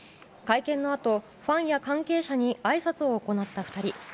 会見のあと、ファンや関係者にあいさつを行った２人。